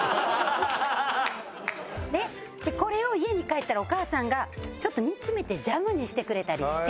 でこれを家に帰ったらお母さんがちょっと煮詰めてジャムにしてくれたりして。